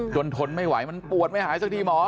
ทนไม่ไหวมันปวดไม่หายสักทีหมอ